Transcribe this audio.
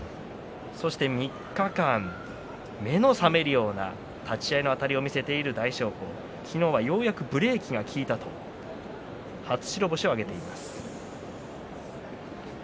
そして３日間目の覚めるような立ち合いのあたりを見せている大翔鵬昨日はようやくブレーキが利いたと初白星を挙げています。